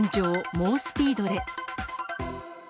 猛スピードで。